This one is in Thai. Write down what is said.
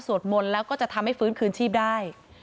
มนต์แล้วก็จะทำให้ฟื้นคืนชีพได้